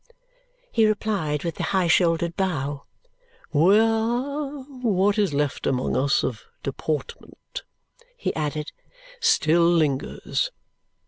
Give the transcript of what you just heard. He replied with the high shouldered bow. "Where what is left among us of deportment," he added, "still lingers.